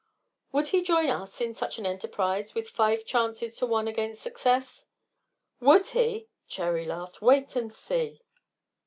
"Would he join us in such an enterprise, with five chances to one against success?" "Would he!" Cherry laughed. "Wait and see."